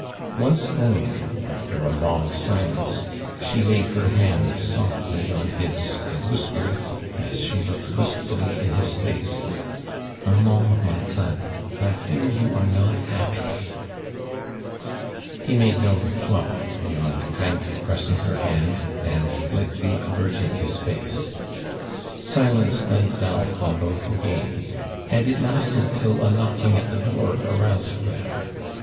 Unce only, after a long silence, she laid her hand softly on his and whispere<J, as she looked wistfully in his face :" Ar mand, my son, I fear you are not happy I" He made no reply beyond kindly press ing her hand and slightly averting his face. Silence then fell on both again, and it lasted till a knocking at the door aroused them.